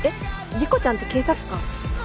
理子ちゃんて警察官！？